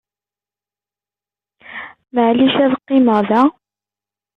Maεlic ad qqimeɣ da?